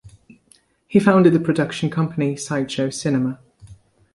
He founded the production company Sideshow Cinema.